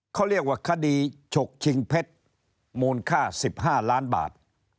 เขาเรียกว่าคดีฉกชิงเพชรมูลค่า๑๕ล้านบาท